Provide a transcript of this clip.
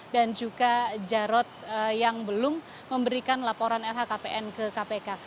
juga jarod yang belum memberikan laporan lhkpn ke kpk